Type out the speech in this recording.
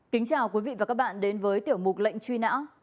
kính chào quý vị và các bạn đến với tiểu mục lệnh truy nã